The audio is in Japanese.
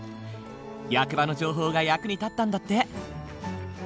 役場の情報が役に立ったんだって。